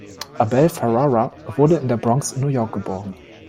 Abel Ferrara wurde in der Bronx in New York geboren.